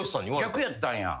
逆やったんや。